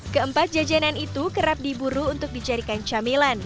keempat jajanan itu kerap diburu untuk dijadikan camilan